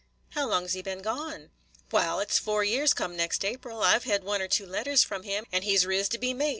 "How long 's he been gone?" "Wal, it 's four years come next April. I 've hed one or two letters from him, and he 's ris' to be mate.